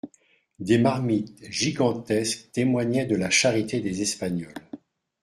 Des marmites gigantesques témoignaient de la charité des Espagnols.